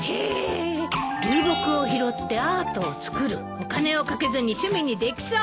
お金をかけずに趣味にできそう。